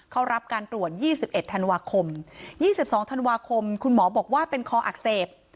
เขารับการตรวจ๒๑ธันวาคม๒๒ธันวาคมคุณหมอบอกว่าเป็นคออักเสบ